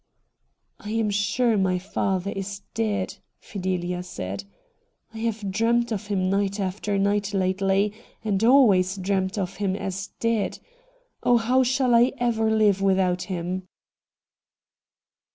'I am sure my father is dead,' Fideha said. ' I have dreamed of him night after night lately — and always dreamed of him as dead. Oh, how shall I ever live without him